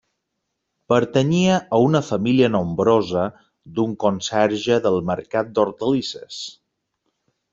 Pertanyia a una família nombrosa d'un conserge del mercat d'hortalisses.